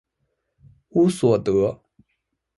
乌索德。